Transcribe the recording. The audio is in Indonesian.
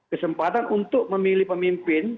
kesempatan untuk memilih pemimpin